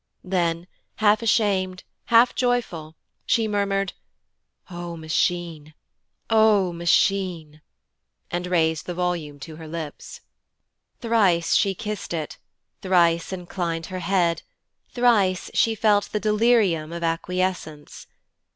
Then, half ashamed, half joyful, she murmured 'O Machine! O Machine!' and raised the volume to her lips. Thrice she kissed it, thrice inclined her head, thrice she felt the delirium of acquiescence.